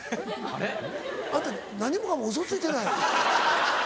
あんた何もかもウソついてない？